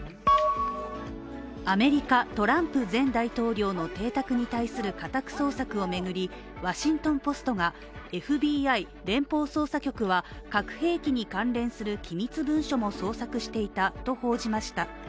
アメリカ、トランプ前大統領の邸宅に対する家宅捜索を巡りワシントン・ポストがＦＢＩ＝連邦捜査局は核兵器に関連する機密文書も捜索していたと報じました。